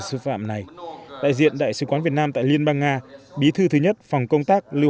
sư phạm này đại diện đại sứ quán việt nam tại liên bang nga bí thư thứ nhất phòng công tác lưu